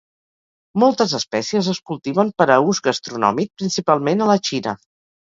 Moltes espècies es cultiven per a ús gastronòmic, principalment a la Xina.